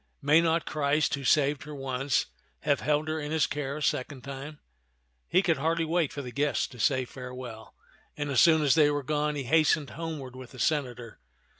May not Christ, who saved her once, have held her in his care a second time ?" He could hardly wait for the guests to say farewell ; and as soon as they were gone, he hastened homeward with the senator.